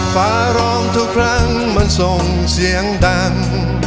ฟ้าร้องทุกครั้งมันส่งเสียงดัง